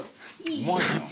うまいじゃん。